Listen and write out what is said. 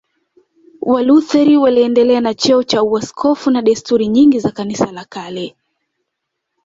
Walutheri waliendelea na cheo cha uaskofu na desturi nyingi za Kanisa la kale